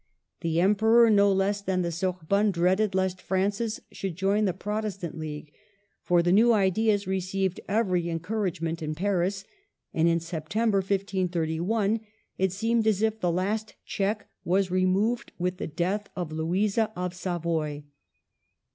The Em peror no less than the Sorbonne dreaded lest Francis should join the Protestant league; for the new ideas received every encouragement in Paris, and in September, 1531, it seemed as if the last check were removed with the death of Louisa of Savoy.